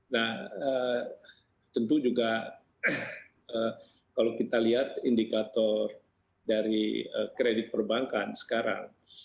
nah tentu juga kalau kita lihat indikator dari kredit perbankan sekarang